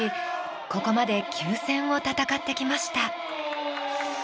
ここまで９戦を戦ってきました。